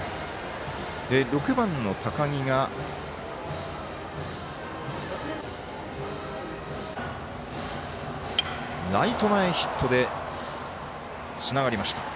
６番の高木がライト前ヒットでつながりました。